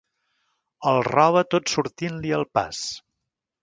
El roba tot sortint-li al pas.